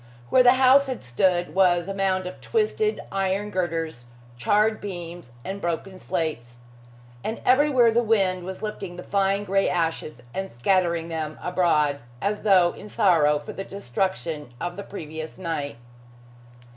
Where the house had stood was a mound of twisted iron girders, charred beams and broken slates. And everywhere the wind was lifting the fine gray ashes and scattering them abroad, as though in sorrow for the destruction of the previous night.